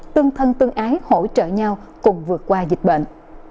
tương thân tương ái hỗ trợ nhau cùng vượt qua dịch bệnh